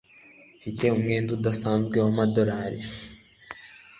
Mfite umwenda udasanzwe w'amadolari .